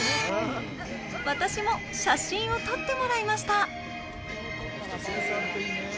私も写真を撮ってもらいました。